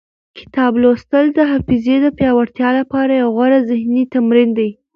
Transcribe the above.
کتاب لوستل د حافظې د پیاوړتیا لپاره یو غوره ذهني تمرین دی.